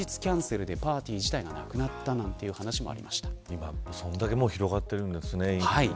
今、それだけ広がってるんですね。